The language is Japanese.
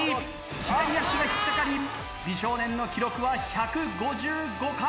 左足が引っかかり美少年の記録は１５５回。